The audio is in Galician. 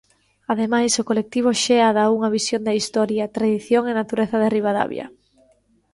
Ademais, o colectivo Xea dá unha visión da historia, tradición e natureza de Ribadavia.